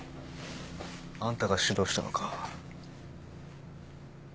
あんたが指導したのか？